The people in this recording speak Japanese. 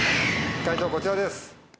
解答こちらです。